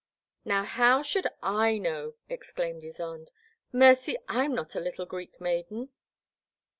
Now how should I know, '* exclaimed Ysonde, mercy, I 'm not a little Greek maiden